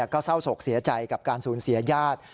ก็เศร้าโศกเสียใจกับการสูญเสียญาติ